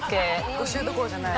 ５周どころじゃない。